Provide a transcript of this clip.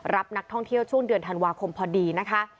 รับนักท่องเที่ยวช่วงเดือนธันวาคมพอดีนะคะ